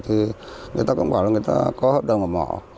thì người ta cũng bảo là người ta có hợp đồng ở mỏ